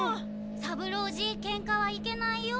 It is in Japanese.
三郎次ケンカはいけないよ。